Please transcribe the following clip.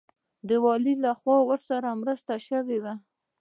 د والي لخوا ورسره مرسته شوې وه.